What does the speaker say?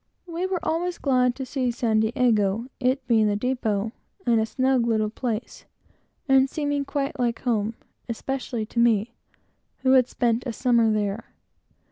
We were always glad to see San Diego; it being the depot, and a snug little place, and seeming quite like home, especially to me, who had spent a summer there.